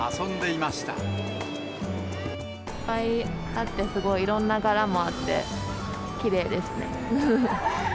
いっぱいあって、すごいいろんな柄もあって、きれいですね。